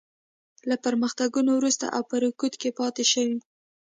له پرمختګونو وروسته او په رکود کې پاتې شوې.